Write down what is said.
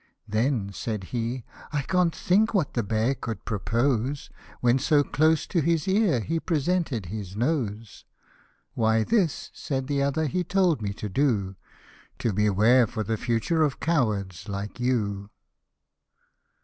" Then/' said he, " I can't think what the bear could propose, When so close to his ear he presented his nose." " Why this," said the other, " he told me to do, To beware for the future of cowards like you."